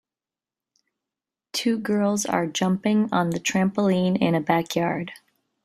Two girls are jumping on the trampoline in a backyard.